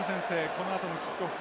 このあとのキックオフ。